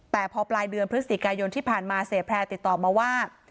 แต่พอปลายเดือนพฤศจิกายนที่ผ่านมาเสียแพร่ติดต่อมาว่า